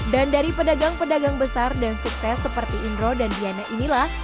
dan dari pedagang pedagang besar dan sukses seperti indro dan diana inilah